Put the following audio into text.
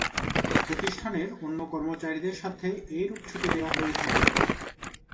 প্রতিষ্ঠানের অন্য কর্মচারীদের স্বার্থে এই রূপ ছুটি দেয়া হয়ে থাকে।